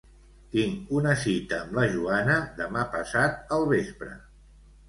Tinc una cita amb la Joana demà passat al vespre.